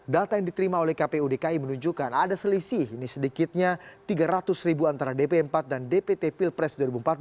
data yang diterima oleh kpu dki menunjukkan ada selisih ini sedikitnya tiga ratus ribu antara dp empat dan dpt pilpres dua ribu empat belas